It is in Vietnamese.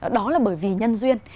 đó là bởi vì nhân duyên